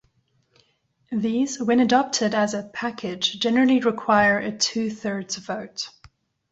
These, when adopted as a "package" generally require a two-thirds vote.